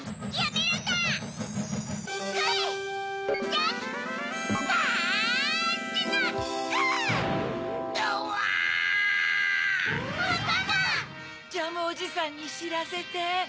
ジャムおじさんにしらせて。